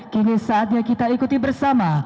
kini saatnya kita ikuti bersama